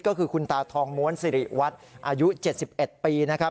ก็คือคุณตาทองม้วนสิริวัตรอายุเจ็ดสิบเอ็ดปีนะครับ